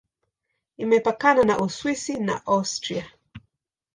Imepakana na Uswisi na Austria.